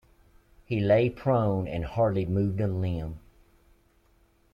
He lay prone and hardly moved a limb.